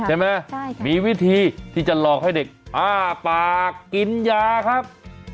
ใช่ไหมมีวิธีที่จะหลอกให้เด็กอ้าปากกินยาครับ